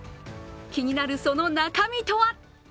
気になるその中身とは！